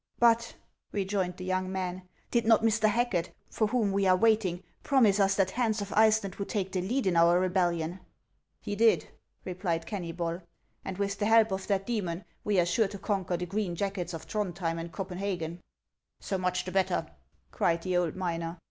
" But," rejoined the young man, " did not Mr. Hacket, for whom we are waiting, promise us that Hans of Iceland would take the lead in our rebellion ?"" He did," replied Kennybol ;" and with the help of that demon we are sure to conquer the green jackets of Throndhjem and Copenhagen." " So much the better 1" cried the old miner.